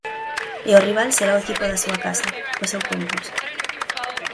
E o rival será o equipo da súa casa, o seu Compos.